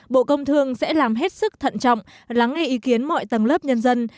bộ công thương sẽ làm hết sức thận trọng lắng nghe ý kiến mọi tầng lớp nhân dân